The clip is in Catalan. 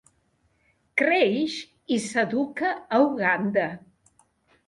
Creix i s'educa a Uganda.